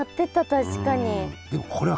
確かに。